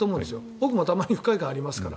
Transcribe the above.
僕もたまに不快感ありますから。